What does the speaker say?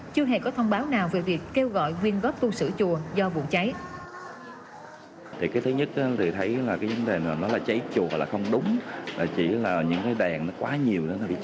chưa hề có thông báo nào về việc kêu gọi